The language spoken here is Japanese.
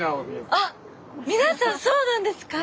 皆さんそうなんですか？